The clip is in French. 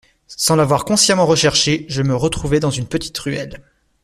Sans l’avoir consciemment recherché, je me retrouvai dans une petite ruelle.